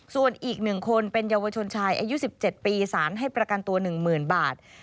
ส่วนอีก๑คนเป็นเยาวชนชายอายุ๑๗ปีสารให้ประกันตัว๑๐๐๐บาท